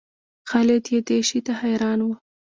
خالد یې دې شي ته حیران و.